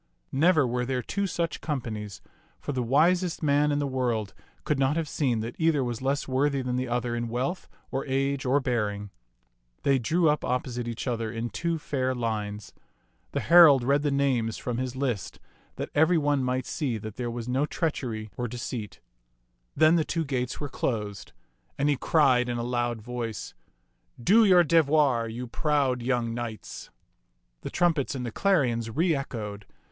Never were there two such companies, for the widest man in the world could not have seen that either was less worthy than the other in wealth or age or bearing. They drew up opposite each other in two fair lines. The herald read the names from his list that every one might see that there was no treachery or deceit. Then 44 ti}t Mnx^^fB taU the two gates were closed, and he cried in a loud voice, " Do your devoir, you proud young knights !" The trumpets and the clarions reechoed.